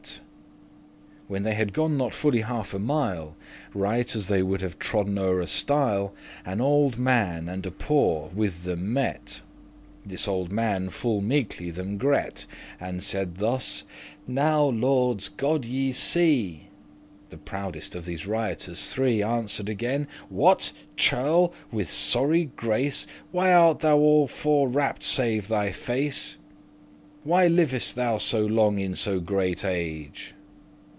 * *catch When they had gone not fully half a mile, Right as they would have trodden o'er a stile, An old man and a poore with them met. This olde man full meekely them gret,* *greeted And saide thus; "Now, lordes, God you see!"* *look on graciously The proudest of these riotoures three Answer'd again; "What? churl, with sorry grace, Why art thou all forwrapped* save thy face? *closely wrapt up Why livest thou so long in so great age?"